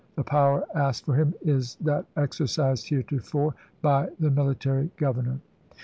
The power asked for hira is that exercised heretofore by the military governor."